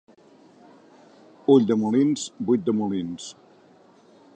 Ulldemolins, buit de molins.